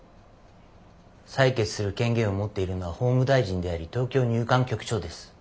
裁決する権限を持っているのは法務大臣であり東京入管局長です。